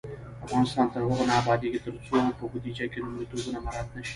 افغانستان تر هغو نه ابادیږي، ترڅو په بودیجه کې لومړیتوبونه مراعت نشي.